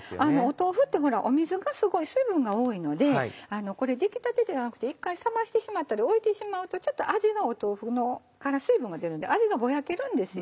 豆腐って水がすごい水分が多いのでこれ出来たてではなくて一回冷ましてしまったり置いてしまうとちょっと味が豆腐から水分が出るので味がぼやけるんですよ。